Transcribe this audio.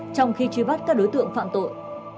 trong khi truy bắt các đối tượng phạm tội